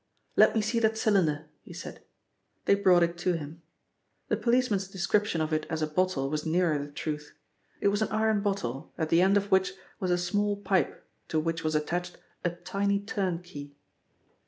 "Let me see that cylinder," he said. They brought it to him. The policeman's description of it as a bottle was nearer the truth. It was an iron bottle, at the end of which was a small pipe to which was attached a tiny turn key.